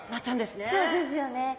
そうですよね。